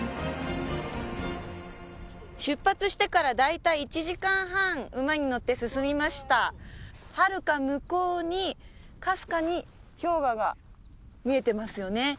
出発してから大体１時間半馬に乗って進みましたはるか向こうにかすかに氷河が見えてますよね